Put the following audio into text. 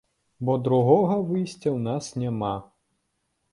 Бо другога выйсця ў нас няма.